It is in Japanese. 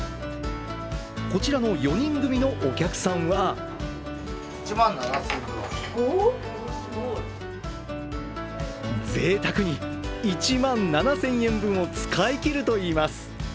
こちらの４人組のお客さんはぜいたくに１万７０００円分を使い切るといいます。